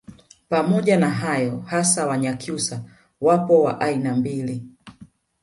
Pamoja na hayo hasa Wanyakyusa wapo wa aina mbili